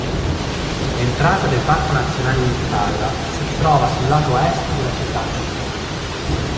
L'entrata del parco nazionale di Tipasa si trova sul lato est della città antica.